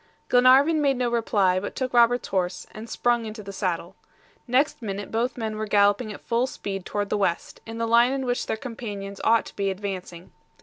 Glenarvan made no reply, but took Robert's horse and sprung into the saddle. Next minute both men were galloping at full speed toward the west, in the line in which their companions ought to be advancing.